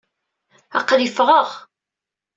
Aql-i ffɣeɣ.